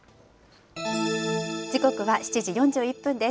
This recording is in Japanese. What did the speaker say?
時刻は７時４１分です。